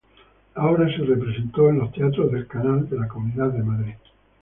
La obra se representó en los Teatros del Canal de la Comunidad de Madrid.